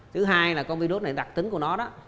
thứ hai là con virus này đặc tính của nó